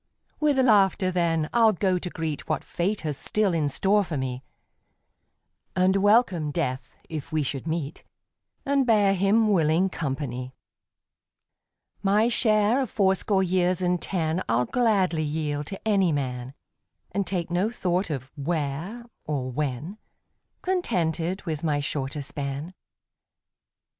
With laughter, then, I'll go to greet What Fate has still in store for me, And welcome Death if we should meet, And bear him willing company. My share of fourscore years and ten I'll gladly yield to any man, And take no thought of " where " or " when," Contented with my shorter span.